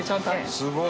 すごい！